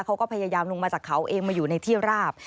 เขาก็พยายามลงมาจากเขาเองมาอยู่ในที่ราบ